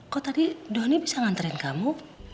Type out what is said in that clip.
kok tadi doni bisa nganterin kamu